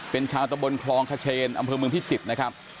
เป็นชาวตะบนคลองขเชนอำเภอเมืองพิจิตรนะครับ